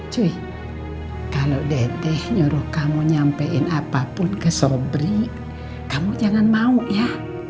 cuy kalau deteh nyuruh kamu nyampein apapun ke sobri kamu jangan mau ya